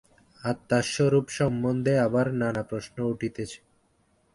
আত্মার স্বরূপ সম্বন্ধে আবার নানা প্রশ্ন উঠিতেছে।